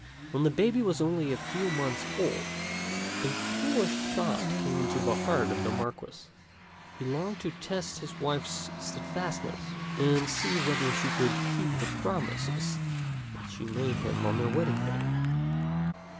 When the baby was only a few months old, a fool ish thought came into the heart of the Marquis. He longed to test his wife's steadfastness, and see whether she would keep the promises that she made him on their wedding day.